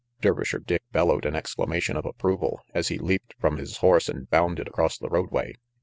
Dervisher Dick bellowed an exclamation of approval as he leaped from his horse and bounded across the roadway.